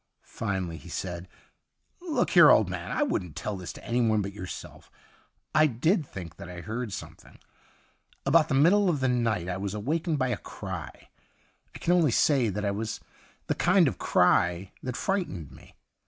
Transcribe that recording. Finally he said :' Look here, old man, I wouldn't tell this to anyone but yourself I did think that I heard something. About the middle of the night I was awakened by a cry ; I can only say that it was the kind of cry that frightened me.